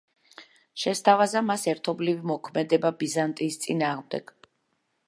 შესთავაზა მას ერთობლივი მოქმედება ბიზანტიის წინააღმდეგ.